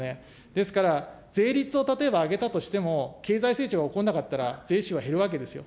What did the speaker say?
ですから、税率を例えば上げたとしても、経済成長が起こんなかったら税収は減るわけですよ。